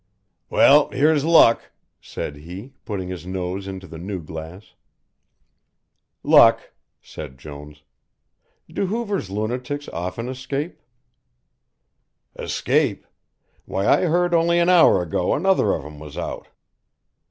"Well, here's luck," said he, putting his nose into the new glass. "Luck!" said Jones. "Do Hoover's lunatics often escape?" "Escape why I heard only an hour ago another of them was out.